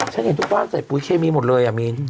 ฉันเห็นทุกบ้านใส่ปุ๋ยเคมีหมดเลยอ่ะมีน